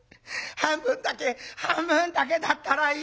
半分だけ半分だけだったらいいだろう。